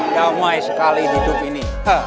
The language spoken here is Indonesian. damai sekali hidup ini